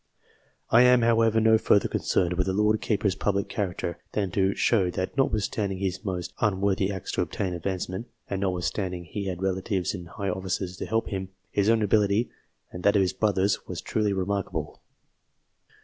I am, however, no further concerned with the Lord Keeper's public character than to show that, notwithstanding his most unworthy acts to obtain advance ment, and notwithstanding he had relatives in high offices to help him, his own ability and that of his brothers were truly remarkable.